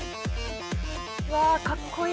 うわかっこいい。